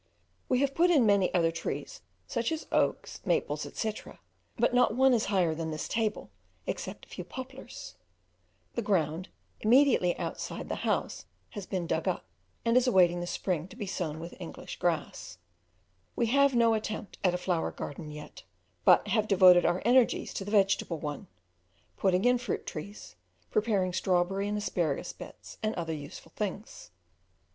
We have put in many other trees, such as oaks, maples, etc., but not one is higher than this table, except a few poplars; the ground immediately outside the house has been dug up, and is awaiting the spring to be sown with English grass; we have no attempt at a flower garden yet, but have devoted our energies to the vegetable one, putting in fruit trees, preparing strawberry and asparagus beds, and other useful things.